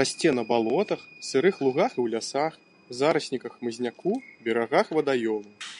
Расце на балотах, сырых лугах і ў лясах, зарасніках хмызняку, берагах вадаёмаў.